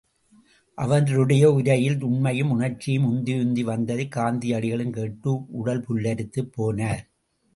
அவருடைய உரையில் உண்மையும் உணர்ச்சியும் உந்தி உந்தி வந்ததைக் காந்தியடிகளும் கேட்டு உடல்புல்லரித்துப் போனர்.